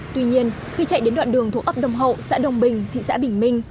tuy nhiên khi chạy đến đoạn đường thuốc ấp đông hậu xã đông bình thị xã bình minh